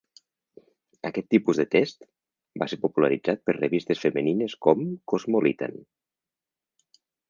Aquest tipus de "test" va ser popularitzat per revistes femenines com "Cosmopolitan".